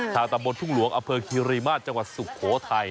ตำบลทุ่งหลวงอำเภอคีรีมาตรจังหวัดสุโขทัย